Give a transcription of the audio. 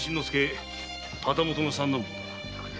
旗本の三男坊だ。